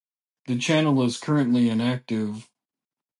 The channel is currently inactive.